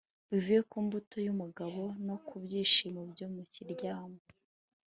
bivuye ku mbuto y'umugabo no ku byishimo byo mu kiryamo